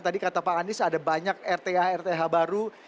tadi kata pak anies ada banyak rth rth baru